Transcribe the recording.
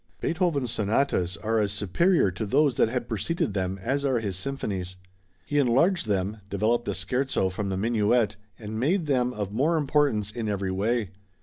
Beethoven's sonatas are as superior to those that had preceded them as are his symphonies. He enlarged them, developed the Scherzo from the Minuet and made them of more importance in every way.